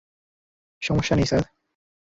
সমস্যা নেই, স্যার!